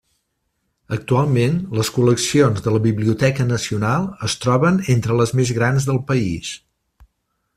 Actualment, les col·leccions de la Biblioteca Nacional es troben entre les més grans del país.